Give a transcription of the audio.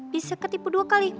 bisa ketipu dua kali